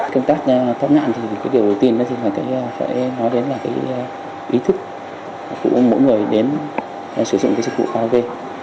công tác thoát nạn thì điều đầu tiên là phải nói đến ý thức của mỗi người đến sử dụng sức vụ karaoke